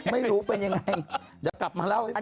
ไม่รู้เป็นยังไงเดี๋ยวกลับมาเล่าให้ฟัง